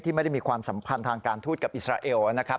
ไม่ได้มีความสัมพันธ์ทางการทูตกับอิสราเอลนะครับ